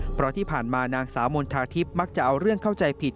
เพราะที่ผ่านมานางสาวมณฑาทิพย์มักจะเอาเรื่องเข้าใจผิด